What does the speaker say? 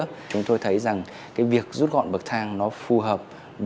vì vậy chúng tôi thấy rằng việc rút gọn bậc thang phù hợp